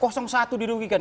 kocong satu dirugikan